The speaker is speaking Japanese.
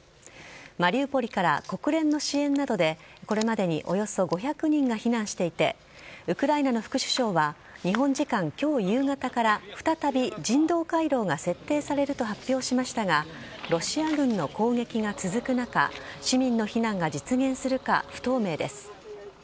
マリウポリから国連の支援などでこれまでにおよそ５００人が避難していてウクライナの副首相は日本時間、今日夕方から再び人道回廊が設定されると発表しましたがロシア軍の攻撃が続く中市民の避難が実現するか不透明です。